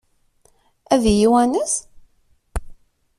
Ad iyi-iwanes?